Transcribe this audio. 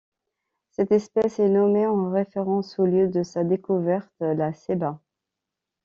Cette espèce est nommée en référence au lieu de sa découverte, La Ceiba.